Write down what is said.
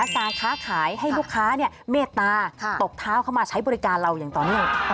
การค้าขายให้ลูกค้าเมตตาตกเท้าเข้ามาใช้บริการเราอย่างต่อเนื่อง